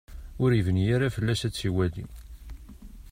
Ur ibni ara fell-as ad tt-iwali.